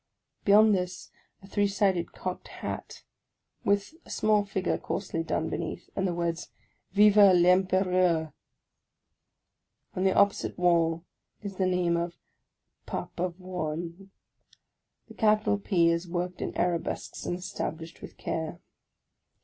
Beyond this, a three sided cocked hat, with a small figure coarsely done beneath, and the words, " Vive PEmpereur !" On the opposite wall is the name of " Papavoine." The capital P is worked in arabesques and embellished with care.